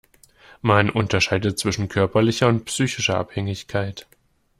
Man unterscheidet zwischen körperlicher und psychischer Abhängigkeit.